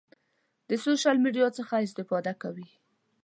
د سوشل میډیا څخه استفاده کوئ؟